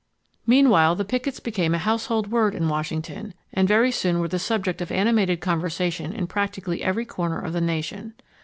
Meanwhile the pickets became a household word in Washington, and very soon were the subject of animated conversation in practically every corner of the nation.